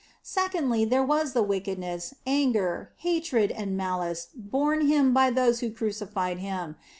Secondly, there was the wickedness, anger, hatred, and malice borne Him by those who crucified Him.